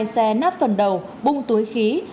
xe nát phần đầu bung túi khí